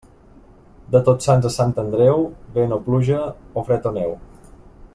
De Tots Sants a Sant Andreu, vent o pluja o fred o neu.